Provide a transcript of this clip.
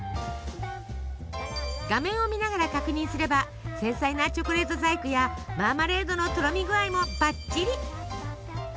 画面を見ながら確認すれば繊細なチョコレート細工やマーマレードのとろみ具合もばっちり。